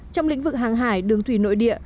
trong lĩnh vực hàng hải đường thủy nội địa